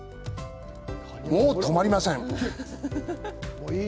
もう止まりません！